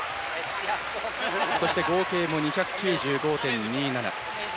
そして合計も２９５．２７。